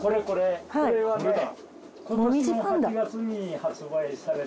これはね。